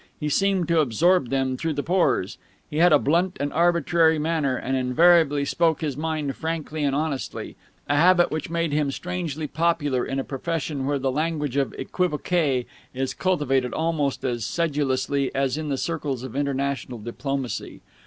He seemed to absorb them through the pores. He had a blunt and arbitrary manner, and invariably spoke his mind frankly and honestly a habit which made him strangely popular in a profession where the language of equivoque is cultivated almost as sedulously as in the circles of international diplomacy.